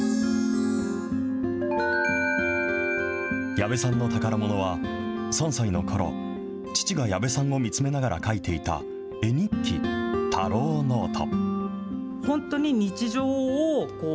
矢部さんの宝ものは、３歳のころ、父が矢部さんを見つめながら描いていた絵日記、たろうノート。